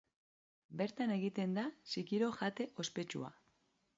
Bertan egiten da zikiro-jate ospetsua.